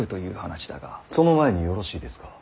その前によろしいですか。